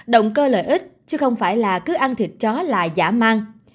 động cơ lợi ích chứ không phải là cứ ăn thịt chó là giả mang